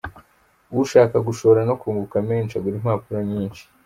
Ushaka gushora no kunguka menshi agura impapuro nyinshi.